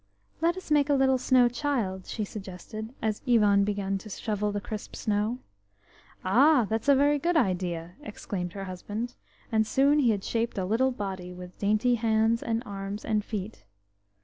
"Let us make a little snow child," she suggested, as Ivan began to shovel the crisp snow. "Ah! that's a very good idea," exclaimed her husband, and soon he had shaped a little body with dainty hands and arms and feet.